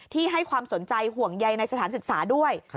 ให้ความสนใจห่วงใยในสถานศึกษาด้วย